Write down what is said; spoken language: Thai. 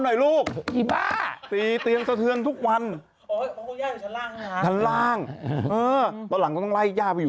หน่อยลูกยี่บ้าตีเตียงทุกวันตอนล้างก็ต้องไล่ย่าไปอยู่